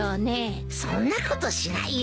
そんなことしないよ。